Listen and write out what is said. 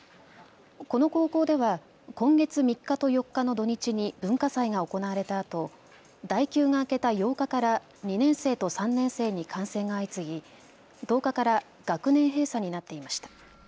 この高校では今月３日と４日の土日に文化祭が行われたあと代休が明けた８日から２年生と３年生に感染が相次ぎ１０日から学年閉鎖になっていました。